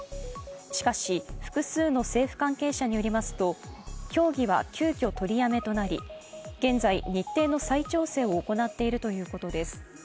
しかし、複数の政府関係者によりますと協議は急きょ取りやめとなり現在、日程の再調整を行っているということです。